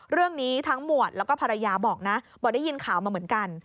เรื่องนี้ทั้งหมวดแล้วก็ภรรยาบอกนะบอกได้ยินข่าวมาเหมือนกัน